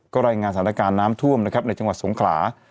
ก็รายงานสถานการณ์น้ำท่วมนะครับในจังหวัดสงขลา